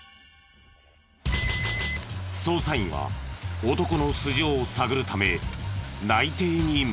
捜査員は男の素性を探るため内偵に向かった。